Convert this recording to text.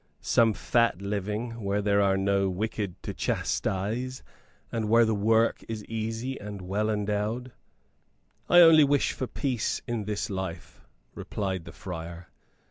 "Some fat living, where there are no wicked to chastise, and where the work is easy and well endowed?" "I only wish for peace in this life," replied the friar.